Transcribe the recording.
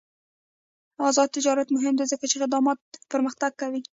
آزاد تجارت مهم دی ځکه چې خدمات پرمختګ کوي.